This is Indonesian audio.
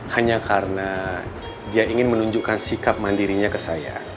hanya karena dia ingin menunjukkan sikap mandirinya ke saya